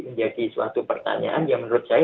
menjadi suatu pertanyaan yang menurut saya